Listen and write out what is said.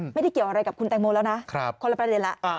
ไม่ได้เกี่ยวอะไรกับคุณแตงโมแล้วนะคนละประเด็นแล้ว